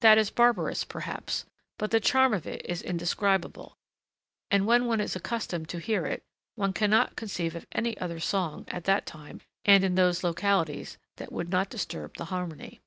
That is barbarous, perhaps, but the charm of it is indescribable, and when one is accustomed to hear it, one cannot conceive of any other song at that time and in those localities that would not disturb the harmony.